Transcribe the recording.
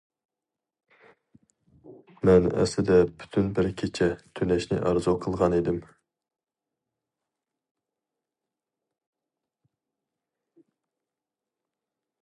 مەن ئەسلىدە پۈتۈن بىر كېچە تۈنەشنى ئارزۇ قىلغان ئىدىم!